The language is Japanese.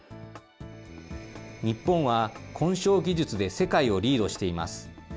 日本は混焼技術で世界をリードしています。